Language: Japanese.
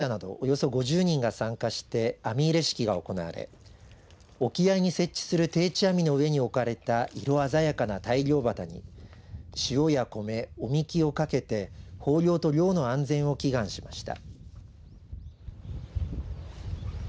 きょうは地元の漁業関係者などおよそ５０人が参加して網入れ式が行われ沖合に設置する定置網の上に置かれた色鮮やかな大漁旗に塩や米、お神酒をかけて豊漁と漁の安全を祈願しました。